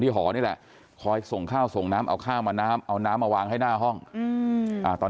พี่มีใจค่ะรู้สึกว่าอาการคือฟังคุยกับคุณหมอก็